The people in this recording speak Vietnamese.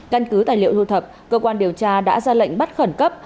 căn cứ tài liệu lưu thập cơ quan điều tra đã ra lệnh bắt khẩn cấp